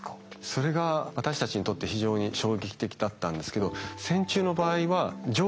それが私たちにとって非常に衝撃的だったんですけど線虫の場合は上皮皮ですね